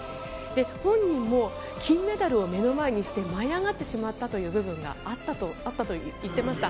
本人も金メダルを目の前にして舞い上がってしまった部分があったと言っていました。